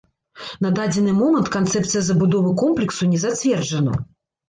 На дадзены момант канцэпцыя забудовы комплексу не зацверджана.